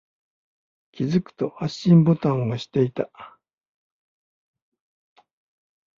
気づくと、発信ボタンを押していた。